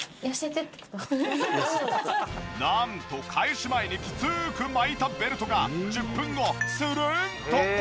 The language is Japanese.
なんと開始前にきつく巻いたベルトが１０分後するんと落ちた！